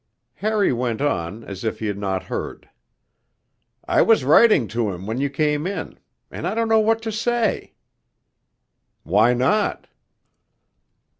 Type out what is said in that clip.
Harry went on, as if he had not heard. 'I was writing to him when you came in. And I don't know what to say.' 'Why not?'